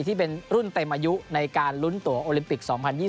ที่เป็นรุ่นเต็มอายุในการลุ้นตัวโอลิมปิก๒๐๒๐